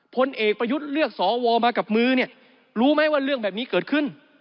พลเอกประยุทธ์เลือกสวมากับมือเนี่ยรู้ไหมว่าเรื่องแบบนี้เกิดขึ้น